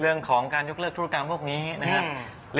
เรื่องของการยกเลิกธุรกรรมพวกนี้นะครับ